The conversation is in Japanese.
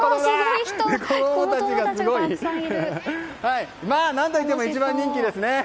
子供たちがすごい！何といっても一番人気ですね。